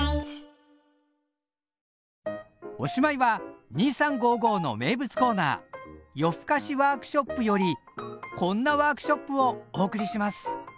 おしまいは２３の名物コーナー「夜ふかしワークショップ」よりこんなワークショップをお送りします。